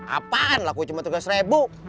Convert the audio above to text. apaan lah aku cuma tiga ribu